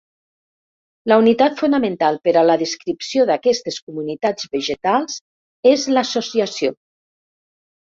La unitat fonamental per a la descripció d'aquestes comunitats vegetals és l'associació.